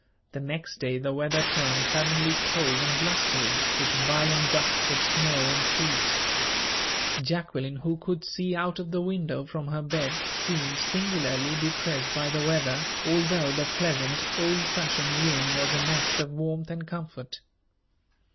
The next day the weather turned suddenly cold and blustering, with violent gusts of snow and sleet. Jacqueline, who could see out of the window from her bed, seemed singularly depressed by the weather, although the pleasant, old fashioned room was a nest of warmth and comfort.